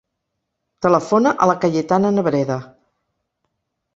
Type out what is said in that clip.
Telefona a la Cayetana Nebreda.